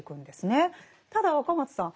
ただ若松さん